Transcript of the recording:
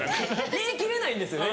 言い切れないんですよね